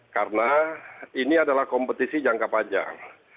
karena ini adalah kompetisi jangka panjang